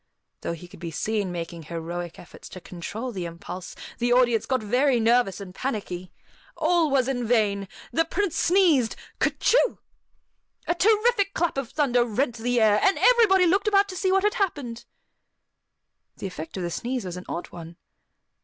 Though he could be seen making heroic efforts to control the impulse, the audience got very nervous and panicky. All was in vain! The Prince sneezed, "Ker choo!" A terrific clap of thunder rent the air, and everybody looked about to see what had happened. The effect of the sneeze was an odd one.